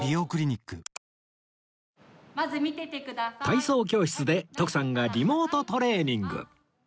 体操教室で徳さんがリモートトレーニング